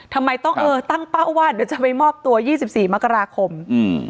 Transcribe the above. ทำไมต้องเออตั้งเป้าว่าเดี๋ยวจะไปมอบตัวยี่สิบสี่มกราคมอืม